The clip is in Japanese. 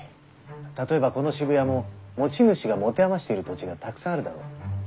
例えばこの渋谷も持ち主が持て余している土地がたくさんあるだろう？